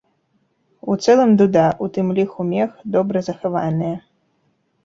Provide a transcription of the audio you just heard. У цэлым дуда, у тым ліку мех, добра захаваныя.